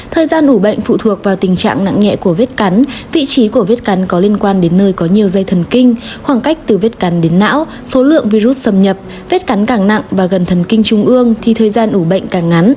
thời gian ủ bệnh phụ thuộc vào tình trạng nặng nhẹ của vết cắn vị trí của vết cắn có liên quan đến nơi có nhiều dây thần kinh khoảng cách từ vết cắn đến não số lượng virus xâm nhập vết cắn càng nặng và gần thần kinh trung ương thì thời gian ủ bệnh càng ngắn